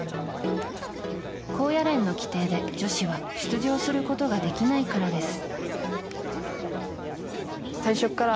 高野連の規定で女子は出場することができないからです。